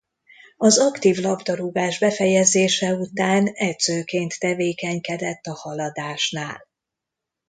Az aktív labdarúgás befejezése után edzőként tevékenykedett a Haladásnál.